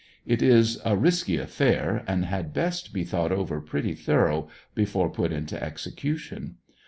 It is a risky affair, and had best be thought over pretty thorough before put into execution.